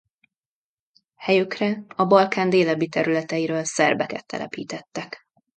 Helyükre a Balkán délebbi területeiről szerbeket telepítetek.